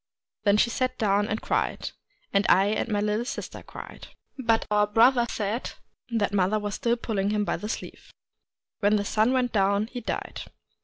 Then she sat down and cried ; and I and my little sister cried. But our brother said that mother was still pulling him by the sleeve. When the sun went down, he died.